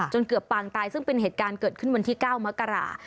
เกือบปางตายซึ่งเป็นเหตุการณ์เกิดขึ้นวันที่๙มกรา